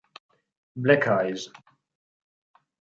Black Eyes